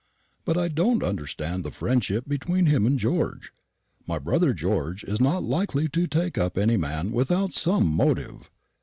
But I don't understand the friendship between him and George. My brother George is not likely to take up any man without some motive."